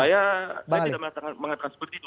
saya tidak mengatakan seperti itu